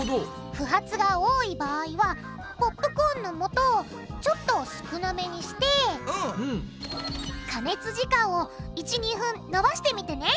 不発が多い場合はポップコーンのもとをちょっと少なめにして加熱時間を１２分のばしてみてね。